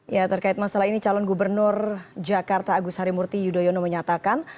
ya terkait masalah ini calon gubernur jakarta agus harimurti yudhoyono menyatakan